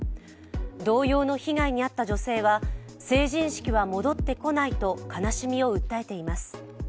同様の被害に遭った女性は成人式は戻ってこないと悲しみを訴えています。